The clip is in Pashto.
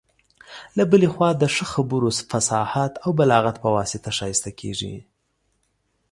له بلي خوا د ښه خبرو، فصاحت او بلاغت په واسطه ښايسته کيږي.